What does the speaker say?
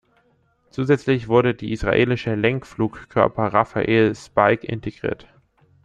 Zusätzlich wurde die israelische Lenkflugkörper Rafael Spike integriert.